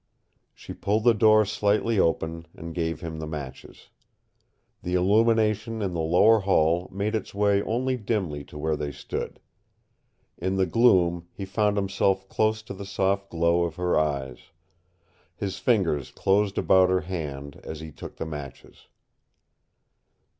She pulled the door slightly open and gave him the matches. The illumination in the lower hall made its way only dimly to where they stood. In the gloom he found himself close to the soft glow of her eyes. His fingers closed about her hand as he took the matches.